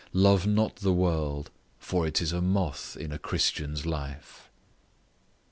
Love not the world, for it is a moth in a Christian's life.